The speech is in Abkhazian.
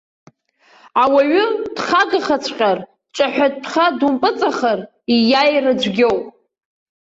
Ауаҩы дхагахаҵәҟьар, дҿаҳәатәха думпыҵахар, ииааира цәгьоуп.